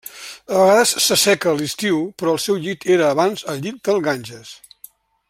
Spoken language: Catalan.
A vegades s'asseca a l'estiu però el seu llit era abans el llit del Ganges.